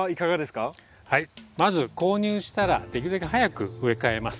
まず購入したらできるだけ早く植え替えます。